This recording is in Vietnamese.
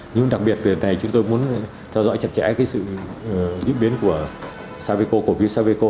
nhưng đặc biệt chúng tôi muốn theo dõi chặt chẽ sự diễn biến của cổ phiếu sapeco